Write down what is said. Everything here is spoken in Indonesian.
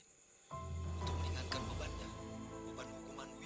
untuk meringankan bebannya beban hukuman